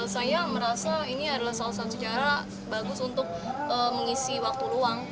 saya merasa ini adalah salah satu cara bagus untuk mengisi waktu luang